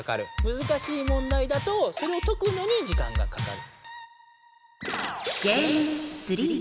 難しい問題だとそれを解くのに時間がかかる。